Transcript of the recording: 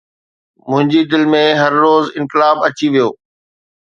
منهنجي دل ۾ هر روز انقلاب اچي ويو